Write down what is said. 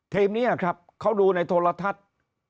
ทีมนี้ครับเขาดูในโทรทัศน์